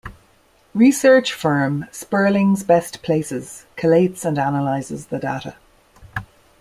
Research firm Sperling's BestPlaces collates and analyzes the data.